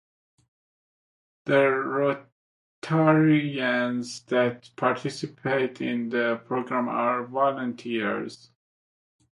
The Rotarians that participate in the program are volunteers.